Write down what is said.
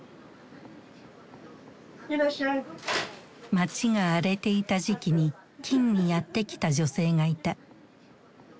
街が荒れていた時期に金武にやって来た女性がいた。